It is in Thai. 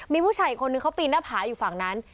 มีผู้ชายอีกคนนึงเขาปีนหน้าผาอยู่ฝั่งนั้น